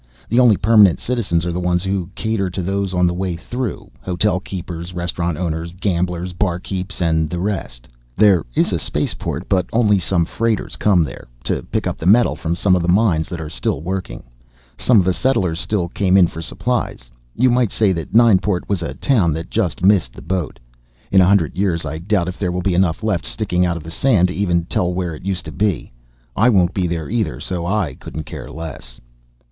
The only permanent citizens are the ones who cater to those on the way through. Hotel keepers, restaurant owners, gamblers, barkeeps, and the rest. There is a spaceport, but only some freighters come there. To pick up the metal from some of the mines that are still working. Some of the settlers still came in for supplies. You might say that Nineport was a town that just missed the boat. In a hundred years I doubt if there will be enough left sticking of the sand to even tell where it used to be. I won't be there either, so I couldn't care less.